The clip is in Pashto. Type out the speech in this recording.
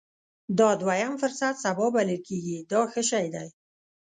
دا دوهم فرصت سبا بلل کېږي دا ښه شی دی.